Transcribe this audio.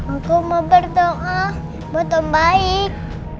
aku mau berdoa buat om baik